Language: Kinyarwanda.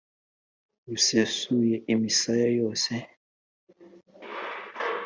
rusesuye imisaya yose.